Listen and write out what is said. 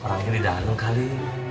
orangnya di dalam kali